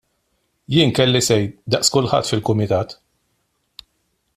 Jien kelli say daqs kulħadd fil-Kumitat.